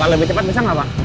pak lebih cepat bisa gak pak